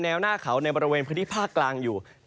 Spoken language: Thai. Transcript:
หน้าเขาในบริเวณพื้นที่ภาคกลางอยู่